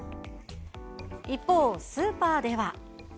一方、スーパーでは。